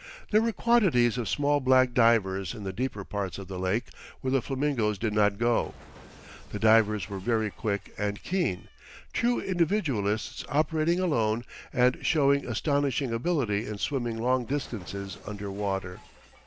There were quantities of small black divers in the deeper parts of the lake where the flamingoes did not go. The divers were very quick and keen, true individualists operating alone and showing astonishing ability in swimming long distances under water.